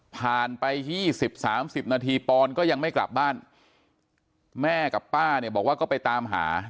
ผ่านไป๒๐๓๐นาทีปอนก็ยังไม่กลับบ้านแม่กับป้าเนี่ยบอกว่าก็ไปตามหา